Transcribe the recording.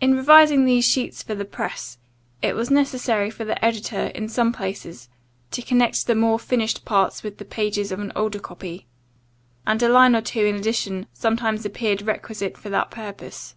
In revising these sheets for the press, it was necessary for the editor, in some places, to connect the more finished parts with the pages of an older copy, and a line or two in addition sometimes appeared requisite for that purpose.